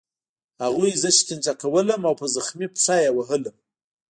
هغوی زه شکنجه کولم او په زخمي پښه یې وهلم